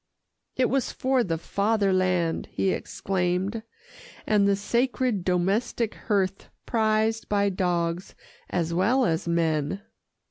"It was for the Fatherland," he exclaimed, "and the sacred domestic hearth prized by dogs as well as men."